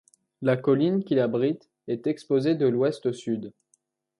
La colline qui l'abrite est exposée de l'ouest au sud.